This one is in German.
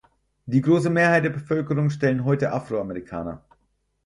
Die große Mehrheit der Bevölkerung stellen heute Afroamerikaner.